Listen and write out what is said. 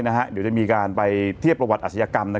เดี๋ยวจะมีการไปเทียบประวัติอาชญากรรม